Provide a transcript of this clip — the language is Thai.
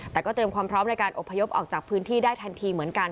แต่ก็เตรียมความพร้อมในการอบพยพออกจากพื้นที่ได้ทันทีเหมือนกัน